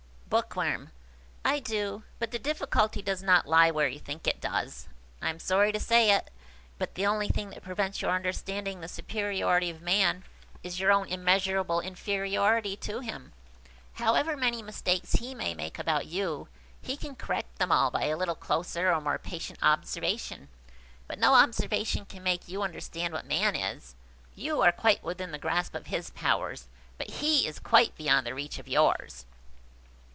Bookworm. "I do; but the difficulty does not lie where you think it does. I am sorry to say it–but the only thing that prevents your understanding the superiority of man, is your own immeasurable inferiority to him! However many mistakes he may make about you, he can correct them all by a little closer or more patient observation. But no observation can make you understand what man is. You are quite within the grasp of his powers, but he is quite beyond the reach of yours."